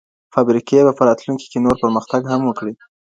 فابریکي به په راتلونکي کي نور پرمختګ هم وکړي.